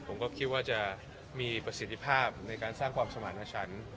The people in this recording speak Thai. ผมก็คิดว่าจะมีประสิทธิภาพในการสร้างความสมารถฉัน